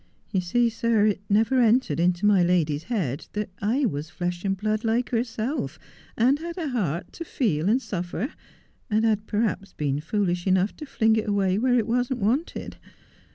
'You see, sir, it never entered into my lady's head that I was flesh and blood like herself, and had a heart to feel and suffer, and had perhaps been foolish enough to fling it away where it wasn't wanted.